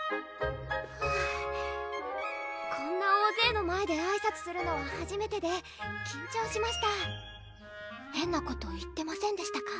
フゥこんな大勢の前であいさつするのははじめてで緊張しました変なこと言ってませんでしたか？